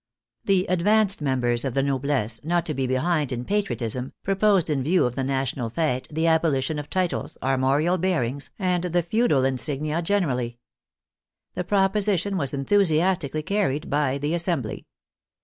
The " advanced " members of the noblesse, not to be behind in " patriotism," proposed in view of the national fete the abolition of titles, armorial bearings, and the feudal insignia generally. The proposition was enthusiastically carried by the Assembly.